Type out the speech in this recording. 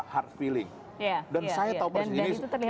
hard feeling dan saya tahu persilis